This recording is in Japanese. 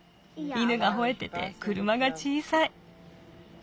犬がほえてて車が小さい。